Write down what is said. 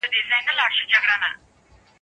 زه اوس د سبا لپاره د سوالونو جواب ورکوم،